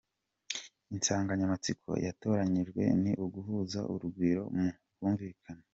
Insanganyamatsiko yatoranijwe ni Uguhuza Urugwiro Mu Bwumvikane?.